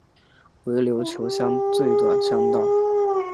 为琉球乡最短乡道。